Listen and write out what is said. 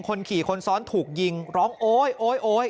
คนขี่คนซ้อนถูกยิงร้องโอ๊ย